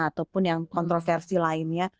ataupun yang kontroversi lainnya